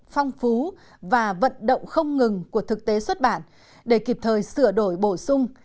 phong phú và vận động không ngừng của thực tế xuất bản để kịp thời sửa đổi bổ sung